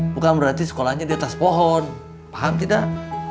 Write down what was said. bukan berarti sekolahnya di atas pohon paham tidak